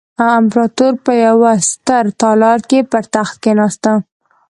امپراتور په یوه ستر تالار کې پر تخت کېناسته.